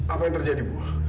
apa yang terjadi ibu